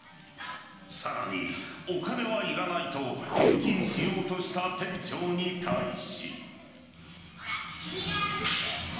さらにお金はいらないと返金しようとした店長に対し。